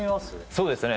そうですね